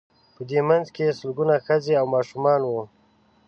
په دې منځ کې سلګونه ښځې او ماشومان وو.